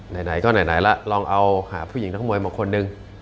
ไหนก็ไหนล่ะลองเอาหาผู้หญิงนักมวยมาคนหนึ่ง